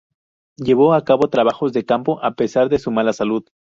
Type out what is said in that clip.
Llevó a cabo trabajos de campo a pesar de su mala salud.